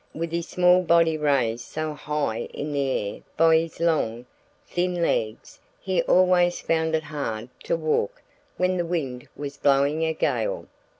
With his small body raised so high in the air by his long, thin legs he always found it hard to walk when the wind was blowing a gale.